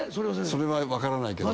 それは分からないけど。